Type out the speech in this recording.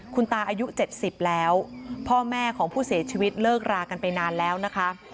คุณตาอายุ๗๐แล้วพ่อแม่ของผู้เสียชีวิตเลิกรากันไปนานแล้วนะคะ